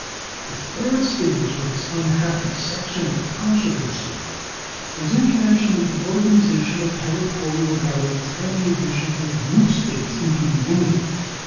The third stage of this unhappy sectional controversy was in connection with the organization of Territorial governments and the admission of new States into the Union.